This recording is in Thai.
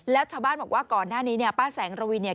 แล้วชาวบ้านบอกว่าก่อนหน้านี้เนี่ยป้าแสงระวินเนี่ย